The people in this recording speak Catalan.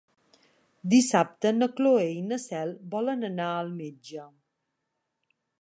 Dissabte na Cloè i na Cel volen anar al metge.